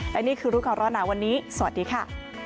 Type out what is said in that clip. และนี่คือรู้ก่อนร้อนหนาวันนี้สวัสดีค่ะ